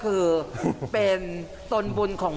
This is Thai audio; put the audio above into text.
พี่บอกว่าบ้านทุกคนในที่นี่